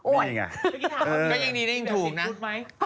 โอ่ยไม่ใจลุงก่อนนะ